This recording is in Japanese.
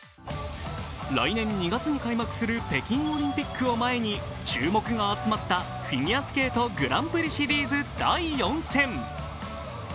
来年２月に開幕する北京オリンピックを前に注目が集まったフィギュアスケートグランプリシリーズ第４戦。